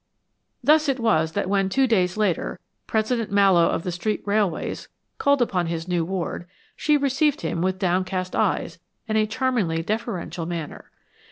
Thus it was, that when two days later, President Mallowe of the Street Railways, called upon his new ward, she received him with downcast eyes, and a charmingly deferential manner.